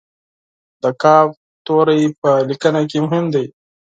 د "ک" حرف په لیکنه کې مهم دی.